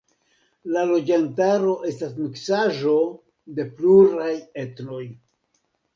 La loĝantaro estas miksaĵo de pluraj etnoj.